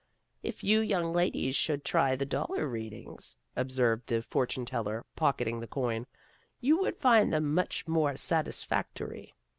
" If you young ladies should try the dollar readings," observed the fortune teller, pocket ing the coin, " you would find them much more satisfactory.